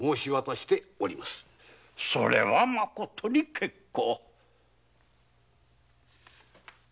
それはまことに結構。